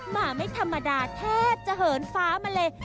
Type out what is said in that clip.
มาไม่ธรรมดาแทบจะเหินฟ้ามาเลย